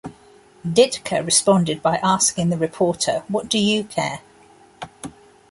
Ditka responded by asking the reporter, what do you care?